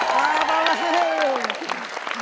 ขอบคุณค่อย